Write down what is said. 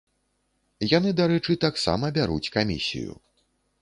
Яны, дарэчы, таксама бяруць камісію.